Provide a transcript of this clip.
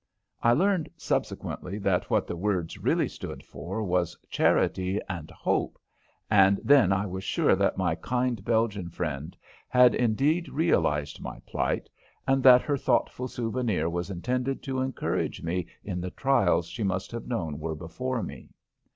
I learned subsequently that what the words really stood for was "Charity" and "Hope," and then I was sure that my kind Belgian friend had indeed realized my plight and that her thoughtful souvenir was intended to encourage me in the trials she must have known were before me.